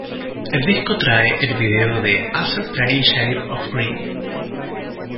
El disco trae el vídeo de "A Certain Shade of Green".